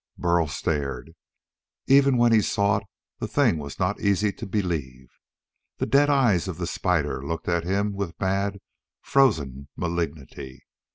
Burl stared. Even when he saw it, the thing was not easy to believe. The dead eyes of the spider looked at him with mad, frozen malignity.